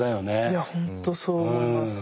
いや本当そう思います。